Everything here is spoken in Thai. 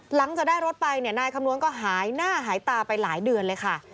หลังจากได้รถไปเนี่ยนายคำนวณก็หายหน้าหายตาไปหลายเดือนเลยค่ะ